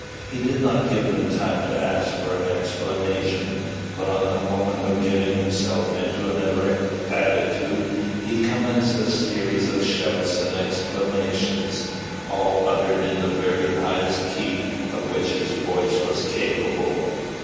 He did not give them time to ask for an explanation, but on the moment of getting himself into an erect attitude he commenced a series of shouts and exclamations, all uttered in the very highest key of which his voice was capable.